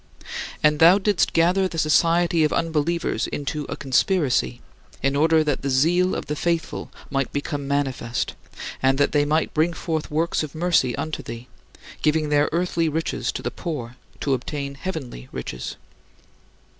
And thou didst gather the society of unbelievers into a conspiracy, in order that the zeal of the faithful might become manifest and that they might bring forth works of mercy unto thee, giving their earthly riches to the poor to obtain heavenly riches.